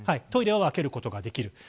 トイレは分けることができる。